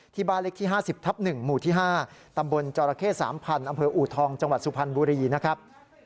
บ้านเล็กที่๕๐ทับ๑หมู่ที่๕ตำบลจรเข้๓๐๐๐อำเภออูทองจังหวัดสุพรรณบุรีนะครับ